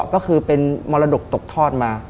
ก็คือเป็นมรดกตกทอดมา